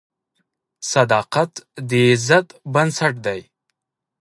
صداقت د عزت بنسټ دی.